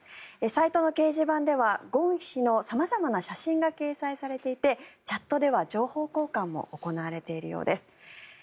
サイトの掲示板ではゴンヒ氏の様々な写真が掲載されていてチャットでは情報交換も行われているようです。